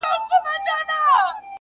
¬ پير نه الوزي، مريد ئې الوزوي.